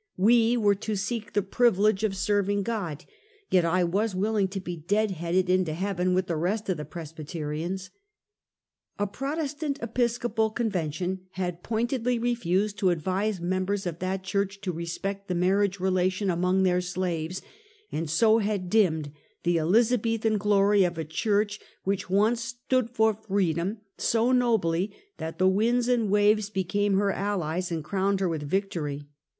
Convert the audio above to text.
"We were to seek the privilege of serving God ; yet I was willing to be dead headed into heaven, with the rest of the Presbyterians,' A Protestant Episcopal convention had pointedly refused to advise members of that church to respect the marriage relation among their slaves, and so had dimmed the Elizabethian glory of a church which once stood for freedom so nobly that the winds and waves became her allies, and crowned her with victory.